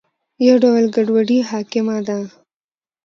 یو ډول ګډوډي حاکمه ده.